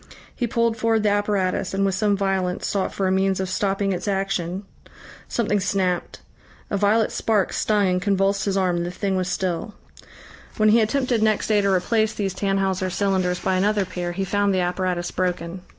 He pulled forward the apparatus, and with some violence sought for a means of stopping its action. Something snapped. A violet spark stung and convulsed his arm and the thing was still. When he attempted next day to replace these Tannhauser cylinders by another pair, he found the apparatus broken....